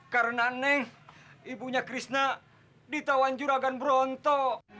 karena neng ibunya krisna ditawan juragan bronto